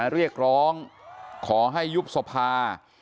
เรียกร้องขอให้ยุบสภา